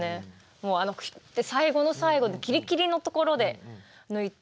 もうクイッて最後の最後でギリギリのところで抜いて。